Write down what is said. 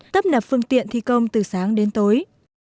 tấp nập phương tiện thi công từ sáng đến tối